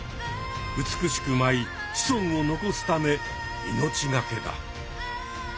美しく舞い子孫を残すため命がけだ。